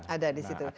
ada di situ